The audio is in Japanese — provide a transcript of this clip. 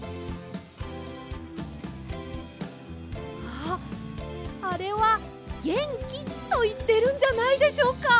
ああれは「ゲンキ」といってるんじゃないでしょうか？